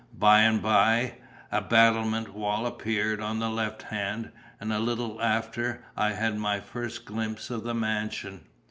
By and by, a battlemented wall appeared on the left hand, and a little after I had my first glimpse of the mansion.